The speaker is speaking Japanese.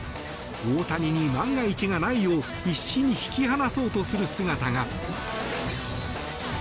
大谷に万が一がないよう必死に引き離そうとする姿が。